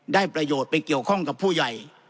ได้ประโยชน์ไปเกี่ยวข้องกับผู้ใหญ่